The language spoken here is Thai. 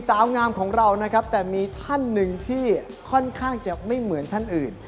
สาวงามของเรานะครับแต่มีท่านหนึ่งที่ค่อนข้างจะไม่เหมือนท่านอื่น